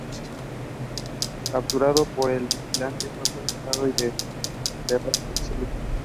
Capturado por el "Vigilante", fue procesado y desterrado a Chile.